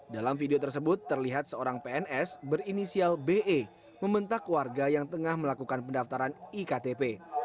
dalam video tersebut terlihat seorang pns berinisial be membentak warga yang tengah melakukan pendaftaran iktp